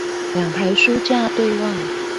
兩排書架對望